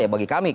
ya bagi kami